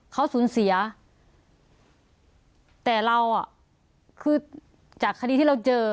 เขาสูญเสียแต่เราอ่ะคือจากคดีที่เราเจอ